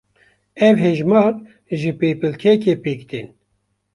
Ev hejmar ji pêpilkekê pêk tên.